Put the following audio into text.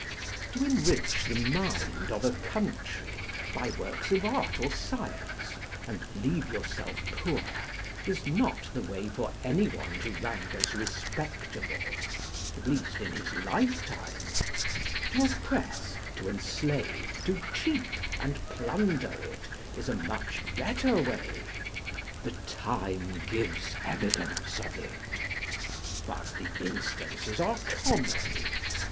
To enrich the mind of a cotmtry by works of art or science, and leave yourself poor, is not the way for any one to rank as respectable, at least in his lifetime : â€" to oppress, to enslave, to cheat, and plunder it, is a much better way. " The time gives evidence of it." But the instances are common.